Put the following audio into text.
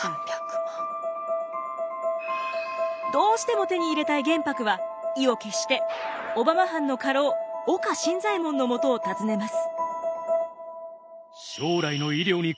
どうしても手に入れたい玄白は意を決して小浜藩の家老岡新左衛門のもとを訪ねます。